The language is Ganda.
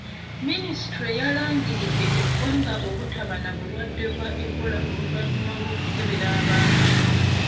Minisitule yalangiridde eggwanga obutaba na bulwadde bwa Ebola oluvanyuma lw'okukebera abangi.